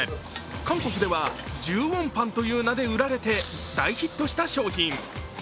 韓国では１０ウォンパンという名で売られて大ヒットした商品。